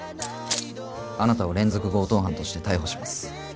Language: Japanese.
あなたを連続強盗犯として逮捕します。